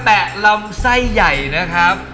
แปะลำไส้ใหญ่นะครับ